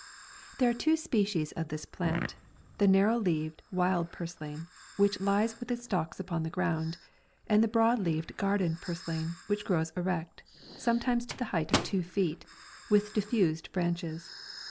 There are two species of this plant : the narrow leaved wild purslain, which lies with its stalks upon the ground, and the broad lea ved garden purslain which crows erect, some times to the height of two feet, with diffused branches.